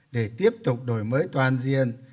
để tiếp tục đổi mới toàn diện